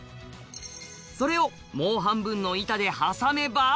それをもう半分の板で挟めば。